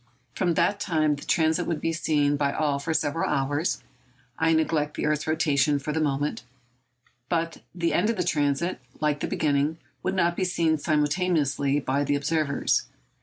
From that time the transit would be seen by all for several hours—I neglect the earth's rotation, for the moment—but the end of the transit, like the beginning, would not be seen simultaneously by the observers.